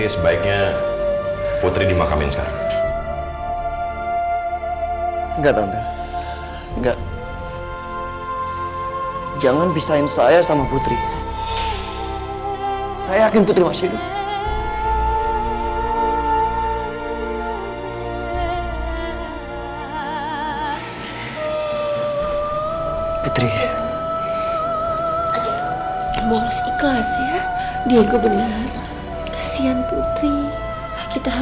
sampai jumpa di video selanjutnya